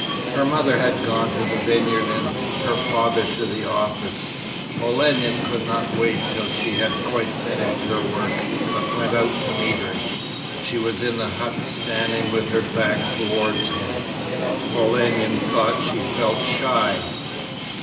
Her mother had gone to the vineyard and her father to the office. Olenin could not wait till she had quite finished her work, but went out to meet her. She was in the hut standing with her back towards him. Olenin thought she felt shy.